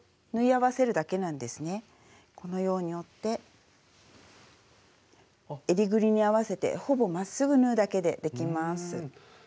このように折ってえりぐりに合わせてほぼまっすぐ縫うだけでできます。